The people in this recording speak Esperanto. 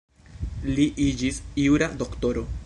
Li iĝis jura doktoro.